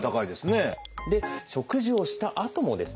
食事をしたあともですね